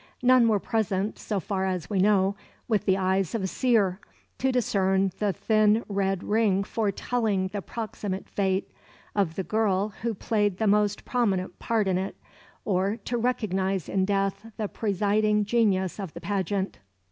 None were present, so far as we know, with the eyes of a seer, to discern the thin red ring foretelling the proximate fate of the girl who played the most prominent part in it, or to recognise in death the presiding genius of the pageant.